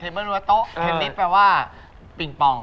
เทบนเทบนอัพด้วยโต๊กเทพนิดแปลว่าปิ้งปอง